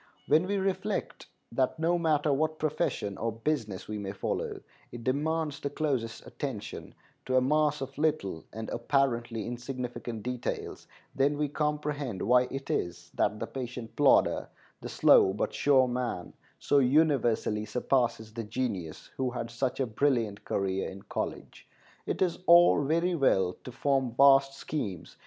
When we reflect that no matter what profession or business we may follow, it demands the closest attention to a mass of little and apparently insignificant details, then we comprehend why it is that the patient plodder, the slow but sure man, so universally surpasses the genius who had such a brilliant career in college. It is all very well to form vast schemes.